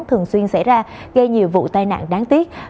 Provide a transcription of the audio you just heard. thường xuyên xảy ra gây nhiều vụ tai nạn đáng tiếc